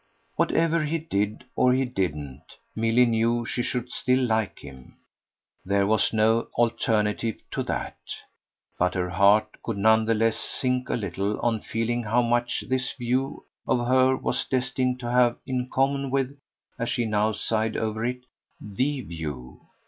Whatever he did or he didn't Milly knew she should still like him there was no alternative to that; but her heart could none the less sink a little on feeling how much his view of her was destined to have in common with as she now sighed over it THE view.